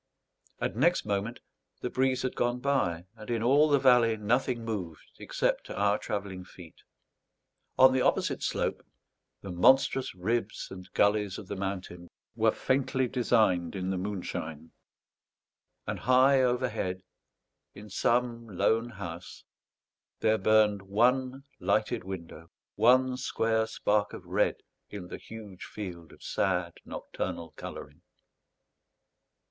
And next moment the breeze had gone by, and in all the valley nothing moved except our travelling feet. On the opposite slope, the monstrous ribs and gullies of the mountain were faintly designed in the moonshine; and high overhead, in some lone house, there burned one lighted window, one square spark of red in the huge field of sad nocturnal colouring.